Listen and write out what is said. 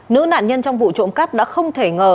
nữ nạn nhân trong vụ trộm cắp đã không thể ngờ